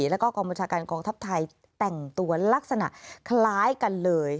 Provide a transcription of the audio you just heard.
แล้วก็กองบัญชาการกองทัพไทยแต่งตัวลักษณะคล้ายกันเลย